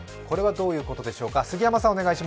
これはどういうことでしょうか。